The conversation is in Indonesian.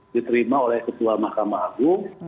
diterima oleh ketua mahkamah agung